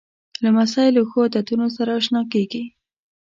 لمسی له ښو عادتونو سره اشنا کېږي.